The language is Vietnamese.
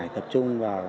tập trung vào